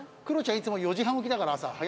クロちゃんいつも４時半起きだから朝。